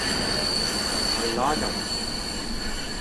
al lagad